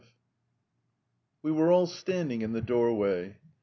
V We were all standing in the doorway.